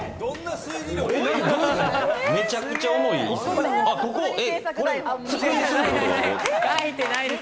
めちゃくちゃ重いいす。